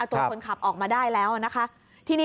เอาตัวคนขับออกมาได้แล้วนี่นิ